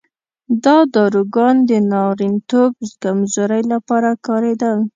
دا داروګان د نارینتوب کمزورۍ لپاره کارېدل.